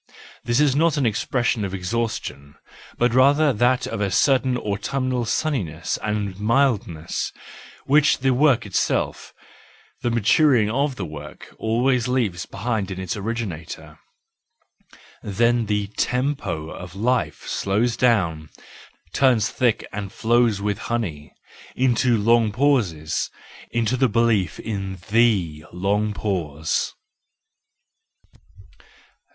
This is not the expression of exhaustion,—but rather that of a certain autumnal sunniness and mildness, which the work itself, the maturing of the work, always leaves behind in its originator. Then the tempo of life slows down—turns thick and flows with honey—into long pauses, into the belief in the long pause.